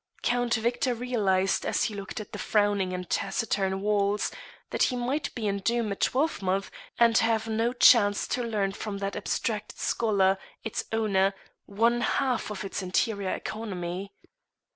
Count Victor realised, as he looked at the frowning and taciturn walls, that he might be in Doom a twelvemonth and have no chance to learn from that abstracted scholar, its owner, one half of its interior economy.